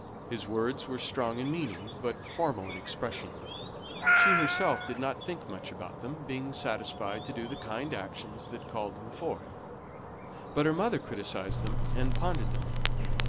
His words were strong in meaning, but formal in expression; she herself did not think much about them, being satisfied to do the kind actions that called them forth. But her mother criticised them and pondered them.